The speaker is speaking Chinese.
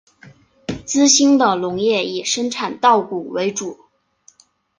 资兴的农业以生产稻谷为主。